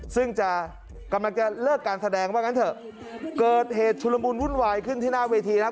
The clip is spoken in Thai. ซึ่งจะกำลังจะเลิกการแสดงว่างั้นเถอะเกิดเหตุชุลมุนวุ่นวายขึ้นที่หน้าเวทีแล้ว